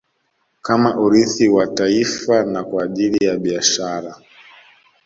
Kama urithi kwa taifa na kwa ajili ya Biashara